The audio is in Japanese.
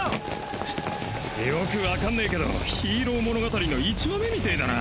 フッよくわかんねけどヒーロー物語の１話目みてぇだな。